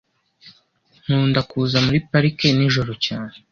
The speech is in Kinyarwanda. Nkunda kuza muri parike nijoro cyane